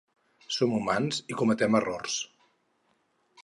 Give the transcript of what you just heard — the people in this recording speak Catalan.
Som humans i cometem errors.